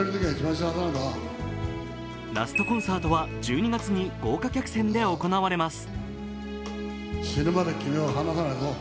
ラストコンサートは１２月に豪華客船で行われます。